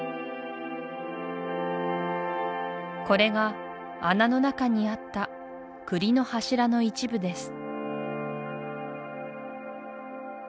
これが穴の中にあったクリの柱の一部です